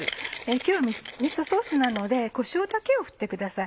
今日はみそソースなのでこしょうだけを振ってください。